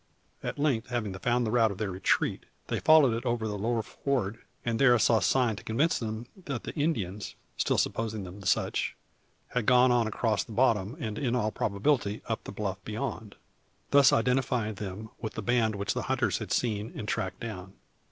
At length having found the route of their retreat, they followed it over the lower ford, and there saw sign to convince them that the Indians still supposing them such had gone on across the bottom, and in all probability up the bluff beyond thus identifying them with the band which the hunters had seen and tracked down.